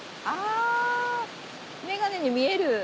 あ眼鏡に見える。